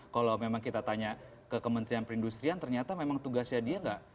kalau memang kita tanya ke kementerian perindustrian ternyata memang tugasnya dia nggak